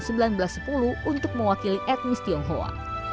kepala pemerintah ke sepuluh untuk mewakili etnis tionghoa